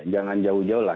jangan jauh jauh lah